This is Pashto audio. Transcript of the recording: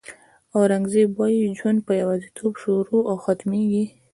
اورنګزېب وایي ژوند په یوازېتوب شروع او ختمېږي.